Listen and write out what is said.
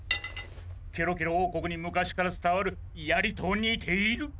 ケロケロおうこくにむかしからつたわるやりとにている。